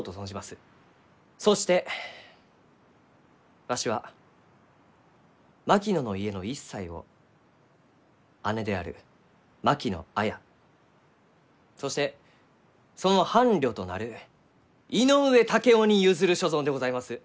そしてわしは槙野の家の一切を姉である槙野綾そしてその伴侶となる井上竹雄に譲る所存でございます。